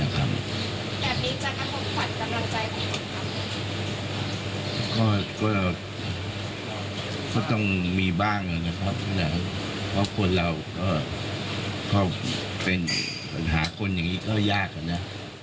ก็ต้องมีบ้างนะครับเพราะคนเราก็เป็นปัญหาคนอย่างนี้ก็ยากอะนะ